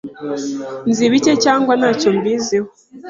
Nzi bike cyangwa ntacyo mbiziho.